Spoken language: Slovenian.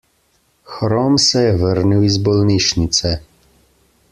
Hrom se je vrnil iz bolnišnice.